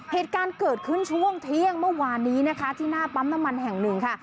เหตุการณ์เกิดขึ้นช่วงเที่ยงเมื่อวานนี้นะคะที่หน้าปั๊มน้ำมันแห่งหนึ่งค่ะ